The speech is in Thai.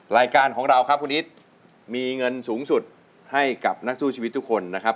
รายการของเราครับคุณอิตมีเงินสูงสุดให้กับนักสู้ชีวิตทุกคนนะครับ